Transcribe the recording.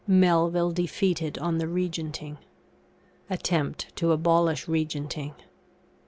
[MELVILLE DEFEATED ON THE REGENTING.] ATTEMPT TO ABOLISH REGENTING.